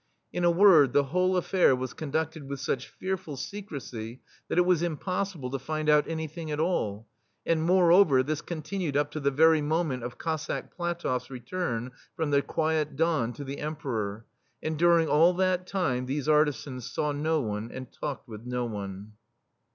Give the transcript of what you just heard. In a word, the whole affair was con duced with such fearful secrecy that it was impossible to find out anything at all, and, moreover, this continued up to the very moment of Cossack Platofi^s return from the quiet Don to the Em peror ; and during all that time these ar tisans saw no one and talked with no one.